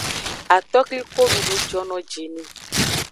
Atokliko dudu jono ji ni.